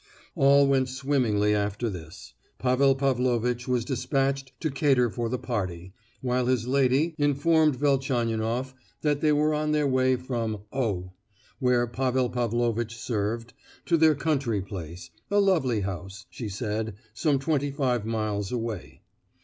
All went swimmingly after this. Pavel Pavlovitch was despatched to cater for the party, while his lady informed Velchaninoff that they were on their way from O——, where Pavel Pavlovitch served, to their country place—a lovely house, she said, some twenty five miles away.